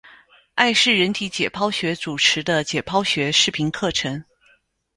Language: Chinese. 艾氏人体解剖学主持的解剖学视频课程。